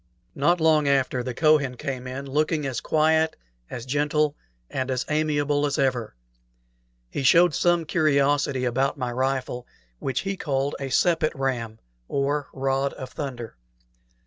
Not long after, the Kohen came in, looking as quiet, as gentle, and as amiable as ever. He showed some curiosity about my rifle, which he called a sepet ram, or "rod of thunder."